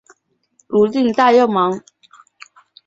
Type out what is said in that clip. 泸定大油芒为禾本科大油芒属下的一个种。